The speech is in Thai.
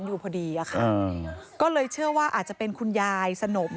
หรือเหตุการณ์ประหลาดแน่